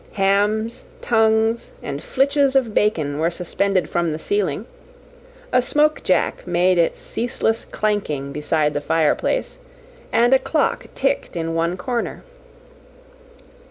Hams, tongues, and flitches of bacon were suspended from the ceiling; a smoke jack made its ceaseless clanking beside the fireplace, and a clock ticked in one corner.